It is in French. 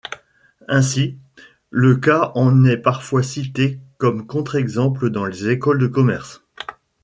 Ainsi, le cas en est parfois cité comme contre-exemple dans les écoles de commerce.